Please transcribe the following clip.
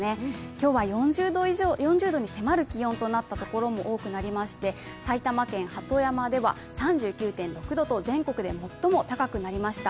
今日は４０度に迫る気温となったところも多くありまして、埼玉県・鳩山では３９．６度と全国で最も高くなりました。